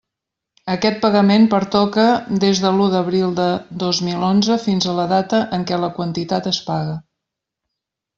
Aquest pagament pertoca des de l'u d'abril de dos mil onze fins a la data en què la quantitat es pague.